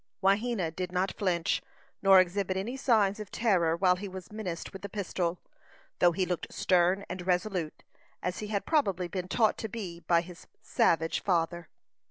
Wahena did not flinch, nor exhibit any signs of terror while he was menaced with the pistol, though he looked stern and resolute, as he had probably been taught to be by his savage father.